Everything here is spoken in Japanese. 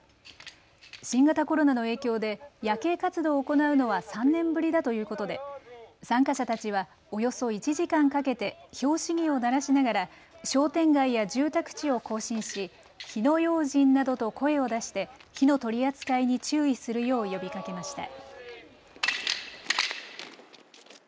新型コロナの影響で夜警活動を行うのは３年ぶりだということで参加者たちはおよそ１時間かけて拍子木を鳴らしながら商店街や住宅地を行進し火の用心などと声を出して火の取り扱いに注意するよう呼びかけました。